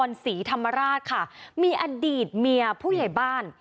ศรีธรรมราชค่ะมีอดีตเมียผู้ใหญ่บ้าน